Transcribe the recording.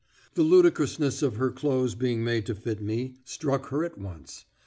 The ludicrousness of her clothes being made to fit me struck her at once.